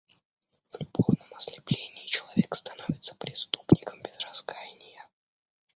В любовном ослеплении человек становится преступником без раскаяния.